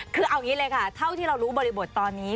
คือเอาอย่างนี้เลยค่ะเท่าที่เรารู้บริบทตอนนี้